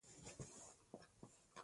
حقيقت کي ما پر تخت قبضه کول غوښته